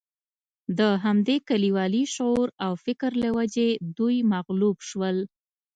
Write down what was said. د همدې کلیوالي شعور او فکر له وجې دوی مغلوب شول.